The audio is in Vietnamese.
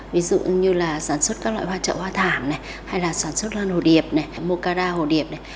ví dụ như là sản xuất các loại trợ hoa thảm hay là sản xuất lan hồ điệp mô ca ra hồ điệp